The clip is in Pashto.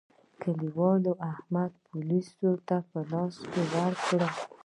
کلیوالو احمد پوليسو ته په لاس ورکړ.